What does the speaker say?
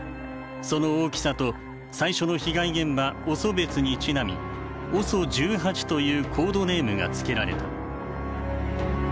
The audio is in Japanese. その大きさと最初の被害現場オソベツにちなみＯＳＯ１８というコードネームが付けられた。